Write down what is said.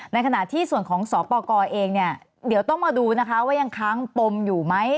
ในขณะที่ส่วนของสปกรเองเนี่ยเดี๋ยวต้องมาดูนะคะว่ายังค้างปมอยู่ไหม